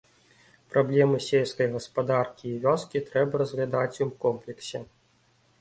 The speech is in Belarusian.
Праблемы сельскай гаспадаркі і вёскі трэба разглядаць у комплексе.